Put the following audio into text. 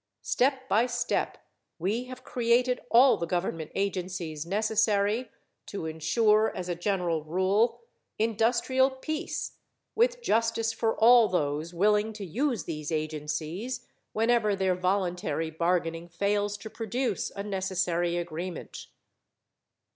Step by step we have created all the government agencies necessary to insure, as a general rule, industrial peace, with justice for all those willing to use these agencies whenever their voluntary bargaining fails to produce a necessary agreement.